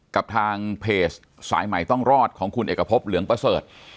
กับทางเพจสายใหม่ต้องรอดของคุณเอกพบเหลืองประเสริฐ